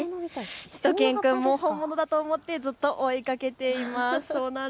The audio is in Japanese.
しゅと犬くんも本物だと思ってずっと追いかけています。